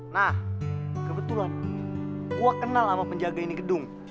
nah kebetulan gue kenal sama penjaga ini gedung